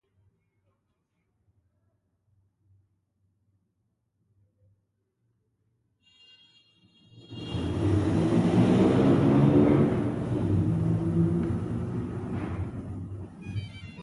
موږ د فلسطیني مسلمانانو په درد دردمند کېږو.